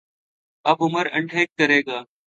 آب عمر انٹهیک کرے گا